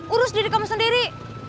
urus diri kamu sendiri